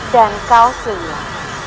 dan kau sudah